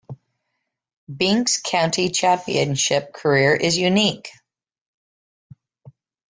Binks' County Championship career is unique.